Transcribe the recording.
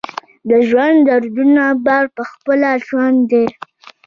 د ژوند دروند بار پخپله ژوند دی.